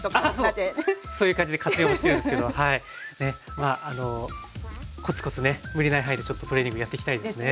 まああのコツコツね無理ない範囲でちょっとトレーニングやっていきたいですね。